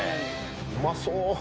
うまそう！